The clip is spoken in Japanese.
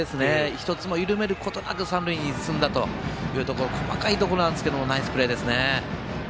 １つも緩めることなく三塁に進んだというところ細かいところなんですけどナイスプレーですね。